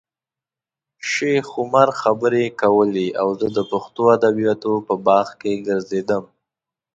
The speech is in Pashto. شیخ عمر خبرې کولې او زه د پښتو ادبیاتو په باغ کې ګرځېدم.